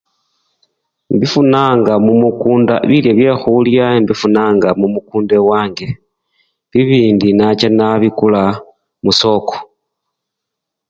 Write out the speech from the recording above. Embifunanga mumukunda, bilyo byekhulya imbifunanga mukunda ewange, bibindi nacha nabikula musoko.